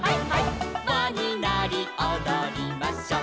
「わになりおどりましょう」